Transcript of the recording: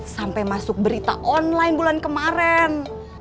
sampai masuk berita online bulan kemarin